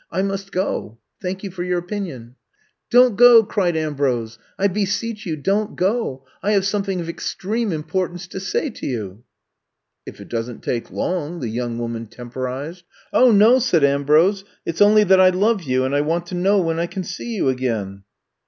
I must go. Thank you for your opinion.'' *' Don't go," cried Ambrose. *'I be seech you, don't go. I have something of extreme importance to say to you. '' If it doesn't take long," the young woman temporized. 0 no," said Ambrose. *'It 's only that I love you, and I want to know when I can see you again.